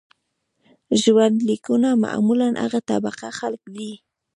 ژوند لیکونه معمولاً هغه طبقه خلک لیکي.